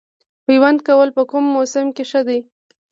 پیوند کول په کوم موسم کې ښه دي؟